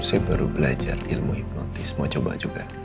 saya baru belajar ilmu hipnotis mau coba juga